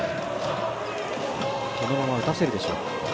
このまま打たせるでしょうか。